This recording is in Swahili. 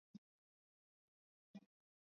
na njia moja wapo ya kuweza kupuza